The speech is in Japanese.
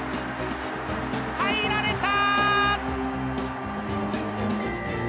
入られた！